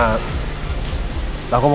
aku mau ketemu dengan angga